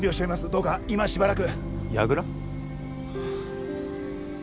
どうか今しばらく。